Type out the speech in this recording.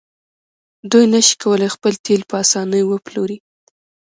دوی نشي کولی خپل تیل په اسانۍ وپلوري.